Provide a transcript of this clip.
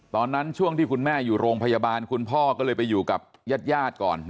ช่วงที่คุณแม่อยู่โรงพยาบาลคุณพ่อก็เลยไปอยู่กับญาติก่อน